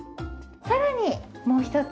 さらにもう一つ。